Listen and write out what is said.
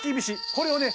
これをね